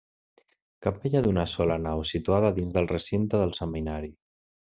Capella d'una sola nau situada dins del recinte del Seminari.